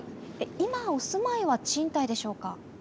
今お住まいは賃貸でしょうか？